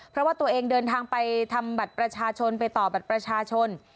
เพราะว่าตัวเองเดินทางไปทำบัตรประชาชนไปต่อบัตรประชาชน